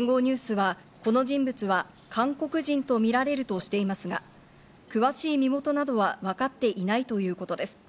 ニュースはこの人物は韓国人とみられるとしていますが、詳しい身元などは分かっていないということです。